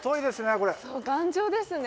これ頑丈ですね。